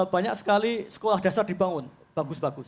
banyak sekali sekolah dasar dibangun bagus bagus